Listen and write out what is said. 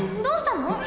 どうしたの？